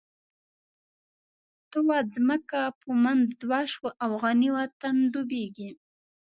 ته واځمکه په منځ دوه شوه، افغانی وطن ډوبیږی